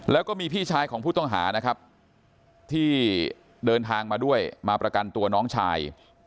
แล้วก็มีพี่ชายของผู้ต้องหานะครับที่เดินทางมาด้วยมาประกันตัวน้องชาย